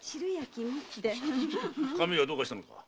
髪がどうかしたのか？